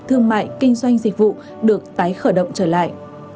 loại kinh doanh dịch vụ được tái khởi động trở lại